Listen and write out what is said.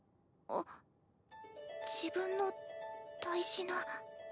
あっ自分の大事な。